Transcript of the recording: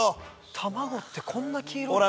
卵ってこんな黄色い？